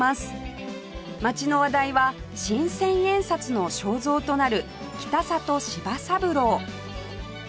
街の話題は新千円札の肖像となる北里柴三郎